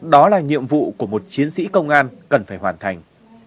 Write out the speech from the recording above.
đó là nhiệm vụ của một chiến sĩ công an cần phải hoàn thành